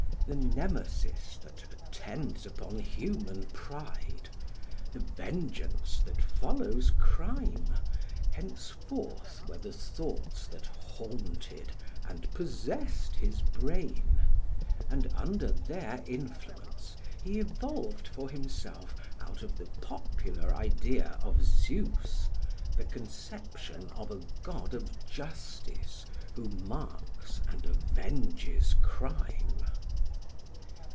The Nemesis that attends upon human pride, the vengeance that follows crime, henceforth were the thoughts that haunted and possessed his brain; and under their influence he evolved for himself out of the popular idea of Zeus the conception of a God of justice who marks and avenges crime.